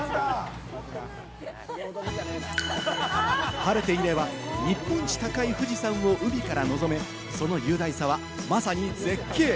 晴れていれば日本一高い富士山を海から望め、その雄大さはまさに絶景！